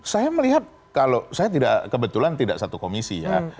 saya melihat kalau saya tidak kebetulan tidak satu komisi ya